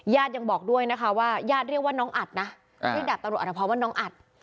ยังบอกด้วยนะคะว่าญาติเรียกว่าน้องอัดนะเรียกดาบตำรวจอัตภพรว่าน้องอัด